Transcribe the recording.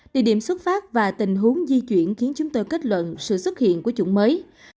địa điểm xuất phát và tình huống di chuyển khiến chúng tôi kết luận sự xuất hiện của chủng mới